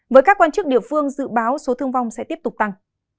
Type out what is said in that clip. với các quan chức địa phương dự báo số thương vong sẽ tiếp tục tăng